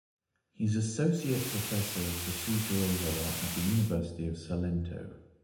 He’s associate professor of procedural law at the University of Salento.